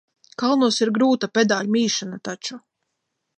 Kalnos ir grūta pedāļu mīšana taču.